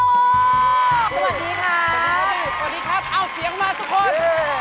สวัสดีครับเอาเสียงมาทุกคน